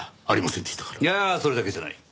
いやそれだけじゃない。